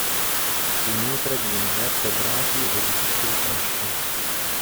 Si nutre di invertebrati e di piccoli pesci.